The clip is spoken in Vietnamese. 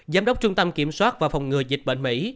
giám đốc trung tâm kiểm soát và phòng ngừa dịch bệnh mỹ